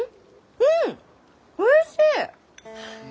うんおいしい！